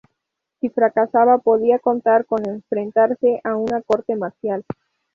Si fracasaba, podía contar con enfrentarse a una corte marcial.